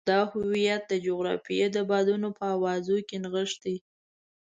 دا هویت د جغرافیې د بادونو په اوازونو کې نغښتی.